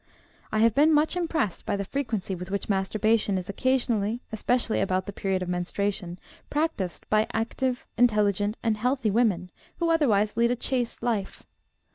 I have been much impressed by the frequency with which masturbation is occasionally (especially about the period of menstruation) practiced by active, intelligent, and healthy women who otherwise lead a chaste life.